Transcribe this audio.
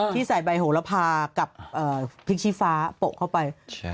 ที่ใส่ใบโหระพากับพริกชี้ฟ้าโปะเข้าไป